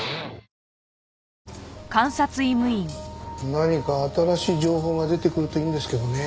何か新しい情報が出てくるといいんですけどねえ。